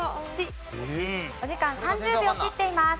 お時間３０秒切っています。